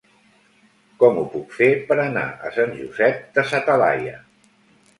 Com ho puc fer per anar a Sant Josep de sa Talaia?